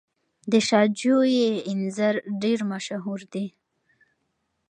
د شاه جوی انځر ډیر مشهور دي.